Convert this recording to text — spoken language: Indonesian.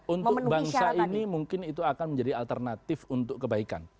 untuk bangsa ini mungkin itu akan menjadi alternatif untuk kebaikan